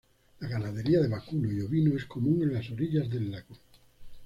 La ganadería de vacuno y ovino es común en las orillas del lago.